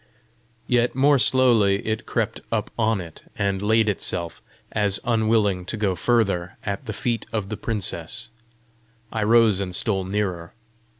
Yet more slowly it crept up on it, and laid itself, as unwilling to go further, at the feet of the princess. I rose and stole nearer.